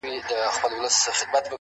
دا ستا د حسن د اختر پر تندي;